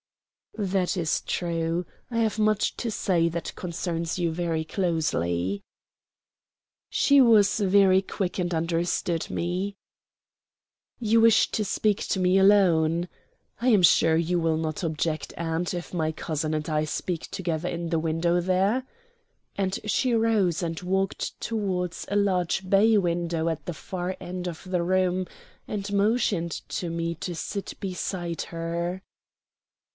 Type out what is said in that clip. "That is true. I have much to say that concerns you very closely." She was very quick and understood me. "You wish to speak to me alone. I am sure you will not object, aunt, if my cousin and I speak together in the window there" and she rose and walked toward a large bay window at the far end of the room, and motioned to me to sit beside her.